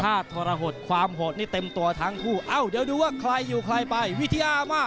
ถ้าทรหดความโหดนี่เต็มตัวทั้งคู่เอ้าเดี๋ยวดูว่าใครอยู่ใครไปวิทยามา